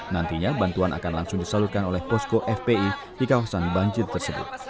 nantinya bantuan akan langsung disalurkan oleh posko fpi di kawasan banjir tersebut